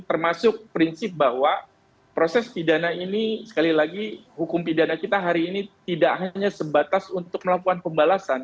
termasuk prinsip bahwa proses pidana ini sekali lagi hukum pidana kita hari ini tidak hanya sebatas untuk melakukan pembalasan